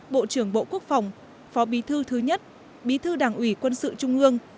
bộ trưởng bộ quốc phòng phó bí thư thứ nhất bí thư đảng ủy quân sự trung ương